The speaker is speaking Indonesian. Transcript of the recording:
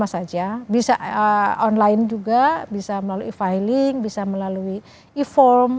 bisa saja bisa online juga bisa melalui e filing bisa melalui e form